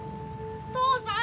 父さん！